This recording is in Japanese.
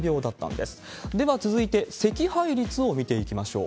では続いて、惜敗率を見ていきましょう。